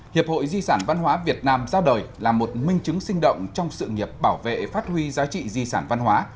hiệp hội di sản văn hóa việt nam ra đời là một minh chứng sinh động trong sự nghiệp bảo vệ phát huy giá trị di sản văn hóa